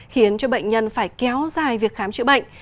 khiến cho bệnh nhân phải kéo dài việc khám chữa bệnh